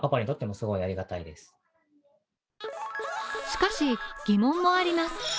しかし、疑問もあります。